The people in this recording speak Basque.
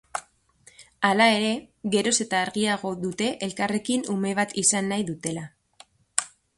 Hala ere, geroz eta argiago dute elkarrekin ume bat izan nahi dutela.